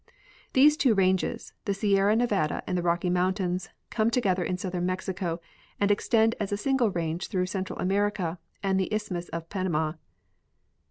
These two ranges, the Sierra Nevada and the Rocky mountains, come together in southern Mexico and extend as a single range through Central America and the Isthmus of Panama.